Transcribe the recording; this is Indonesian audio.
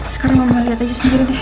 sekarang mama liat aja sendiri deh